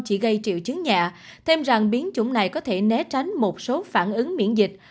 chỉ gây triệu chứng nhẹ thêm rằng biến chủng này có thể né tránh một số phản ứng miễn dịch